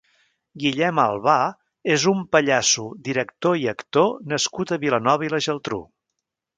Guillem Albà és un pallasso, director i actor nascut a Vilanova i la Geltrú.